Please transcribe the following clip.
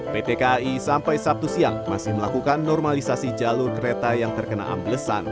pt kai sampai sabtu siang masih melakukan normalisasi jalur kereta yang terkena amblesan